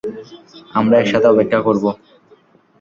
আমরা একসাথে অপেক্ষা করব।